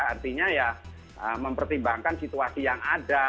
artinya ya mempertimbangkan situasi yang ada